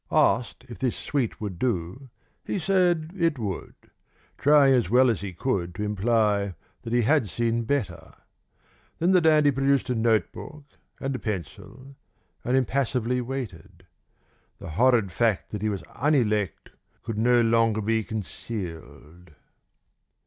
Asked if this suite would do, he said it would, trying as well as he could to imply that he had seen better. Then the dandy produced a note book and a pencil, and impassively waited. The horrid fact that he was un elect could no longer be concealed.